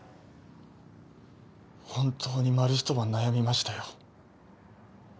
本当に丸一晩悩みましたよ。